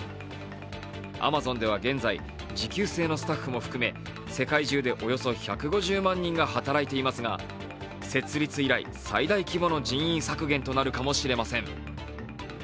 アマゾンでは現在、時給制のスタッフも含め世界中でおよそ１５０万人が働いていますが、設立以来最大規模の人員削減となるかもしれません。